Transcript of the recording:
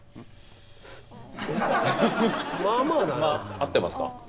合ってますか？